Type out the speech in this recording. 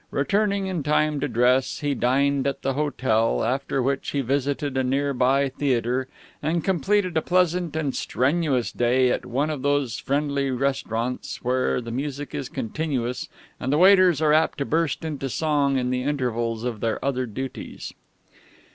Returning in time to dress, he dined at the hotel, after which he visited a near by theater, and completed a pleasant and strenuous day at one of those friendly restaurants where the music is continuous and the waiters are apt to burst into song in the intervals of their other duties.